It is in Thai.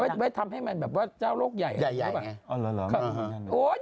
ไว้ไว้ทำให้มันแบบว่าเจ้าโรคใหญ่ใหญ่ใหญ่ไงอ๋อหรอหรอโอ้ย